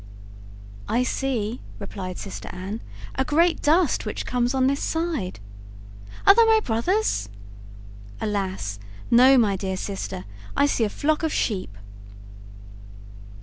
"I see," replied sister Anne, "a great dust, which comes on this side." "Are they my brothers?" "Alas! no, my dear sister, I see a flock of sheep."